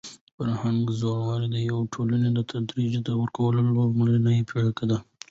فرهنګي زوال د یوې ټولنې د تدریجي ورکېدو لومړنی پړاو دی.